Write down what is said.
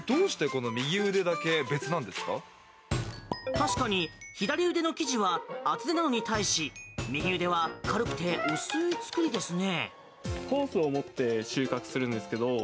確かに、左腕の生地は厚手なのに対し右腕は軽くて薄い作りですね。